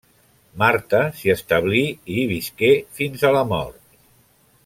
Marta s'hi establí i hi visqué fins a la mort.